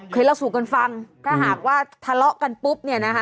เคยเล่าสู่กันฟังถ้าหากว่าทะเลาะกันปุ๊บเนี่ยนะคะ